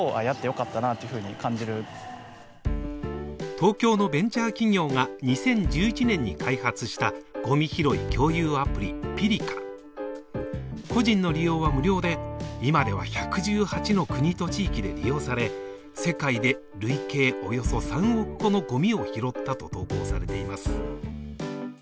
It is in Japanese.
東京のベンチャー企業が２０１１年に開発したごみ拾い共有アプリ、ピリカ個人の利用は無料で、今では１１８の国と地域で利用され世界で累計およそ３億個のごみを拾ったと投稿されています。